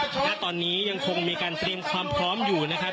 ณตอนนี้ยังคงมีการเตรียมความพร้อมอยู่นะครับ